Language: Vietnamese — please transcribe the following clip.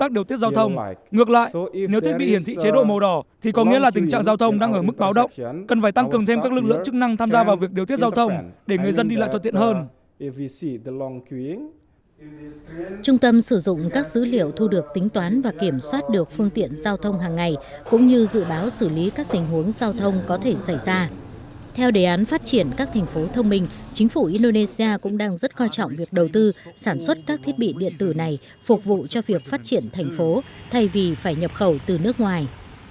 để phát triển các thành phố thông minh chính phủ indonesia cũng đang rất quan trọng việc đầu tư sản xuất các thiết bị điện tử này phục vụ cho việc phát triển thành phố thay vì phải nhập khẩu từ nước ngoài